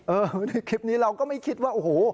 ในคลิปนี้เราก็ไม่คิดว่าโอ้โห